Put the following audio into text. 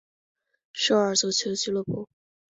首尔足球俱乐部。